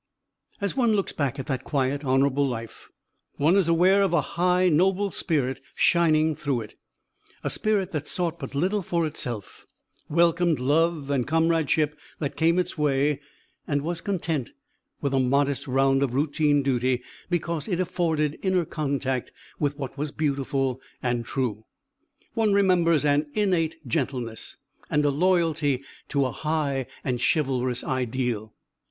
As one looks back at that quiet, honourable life, one is aware of a high, noble spirit shining through it: a spirit that sought but little for itself, welcomed love and comradeship that came its way, and was content with a modest round of routine duty because it afforded inner contact with what was beautiful and true. One remembers an innate gentleness, and a loyalty to a high and chivalrous ideal.